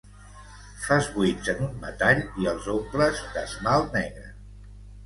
Fas buits en un metall i els omples d'esmalt negre.